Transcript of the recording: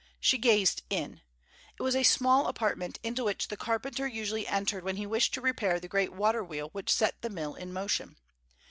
She gazed in. It was a small apartment into which the carpenter usually entered when he wished to repair the great water wheel which set the mill in motion.